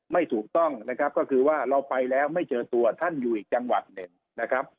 ไม่ถูกต้องนะครับก็คือว่าเราไปแล้วไม่เจอตัวท่านอยู่อีกจังหวัดหนึ่งนะครับ